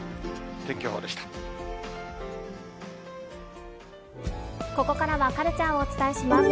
天気予ここからはカルチャーをお伝えします。